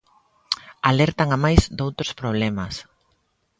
Alertan amais doutros problemas.